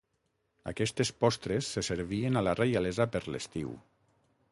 Aquestes postres se servien a la reialesa per l'estiu.